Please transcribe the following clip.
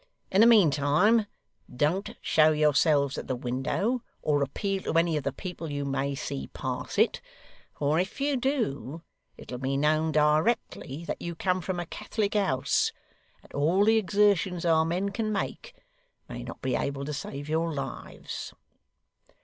In the mean time, don't show yourselves at the window, or appeal to any of the people you may see pass it; for if you do, it'll be known directly that you come from a Catholic house, and all the exertions our men can make, may not be able to save your lives.